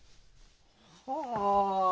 はあ。